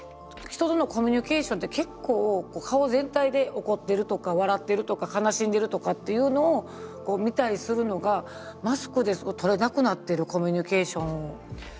人とのコミュニケーションって結構顔全体で怒ってるとか笑ってるとか悲しんでるとかっていうのをこう見たりするのがマスクで取れなくなってるコミュニケーションを。